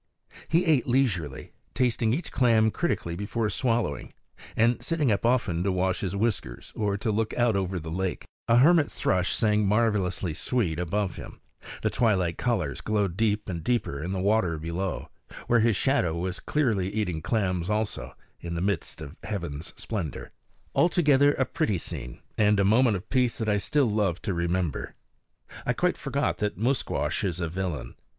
He ate leisurely, tasting each clam critically before swallowing, and sitting up often to wash his whiskers or to look out over the lake. A hermit thrush sang marvelously sweet above him; the twilight colors glowed deep and deeper in the water below, where his shadow was clearly eating clams also, in the midst of heaven's splendor. Altogether a pretty scene, and a moment of peace that I still love to remember. I quite forgot that Musquash is a villain.